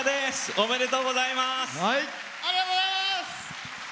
おめでとうございます。